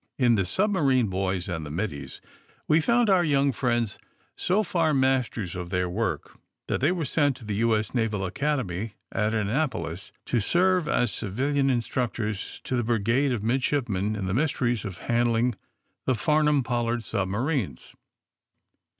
In ''The Submaeine Boys and the Middies" we found our young friends so far masters of their work that they were sent to the 46 THE SUBMAEINE BOYS U. S. Naval Academy at Annapolis to serve as civilian instructors to the Brigade of *" Mid shipmen in the mysteries of handling the Far nnm Pollard submarines.